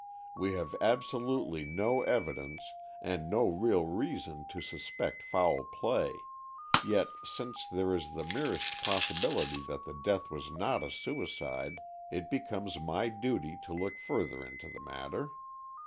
We have absolutely no evidence, and no real reason to suspect foul play, yet since there is the merest possibility that the death was not a suicide, it becomes my duty to look further into the matter.